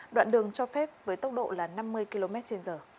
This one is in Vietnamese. đoạn đường cho phép với tốc độ là năm mươi kmh